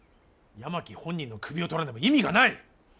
山木本人の首を取らねば意味がない。